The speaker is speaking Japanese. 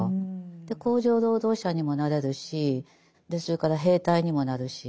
工場労働者にもなれるしそれから兵隊にもなるし。